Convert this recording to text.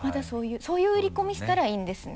そういう売り込みしたらいいんですね。